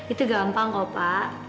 itu gampang kok pak